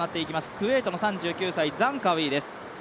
クウェートの３２歳、ザンカウィです